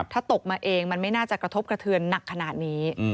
ถ้าตกมาเองมันไม่น่าจะกระทบกระเทือนหนักขนาดนี้